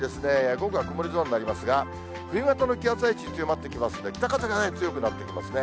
午後は曇り空になりますが、冬型の気圧配置強まってきますんで、北風が強くなってきますね。